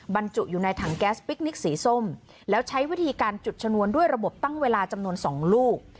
บรรจุอยู่ในถังแก๊สพิคนิคสีส้มแล้วใช้วิธีการจุดชนวนด้วยระบบตั้งเวลาจำนวน๒ลูก